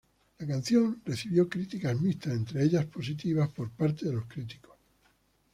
La canción recibió críticas mixtas, entre ellas positivas por parte de los críticos.